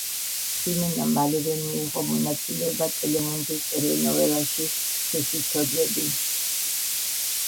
ხიმენა მალევე მიიღო მონაწილეობა ტელემუნდოს ტელენოველაში „სხვისი ცოდვები“.